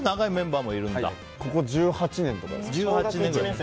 ここは１８年とかです。